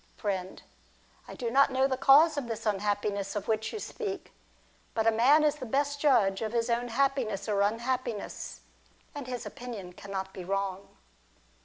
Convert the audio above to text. Friend. I do not know the cause of this unhappiness of whicli you speak. But a man is the best judge of his own happiness or unhappiness, and his opinion cannot be wrong.